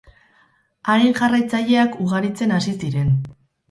Haren jarraitzaileak ugaritzen hasi ziren.